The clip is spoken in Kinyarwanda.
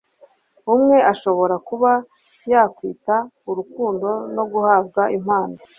umwe ashobora kuba yakwita urukundo no guhabwa impano